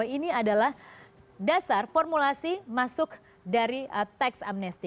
ini adalah dasar formulasi masuk dari tax amnesty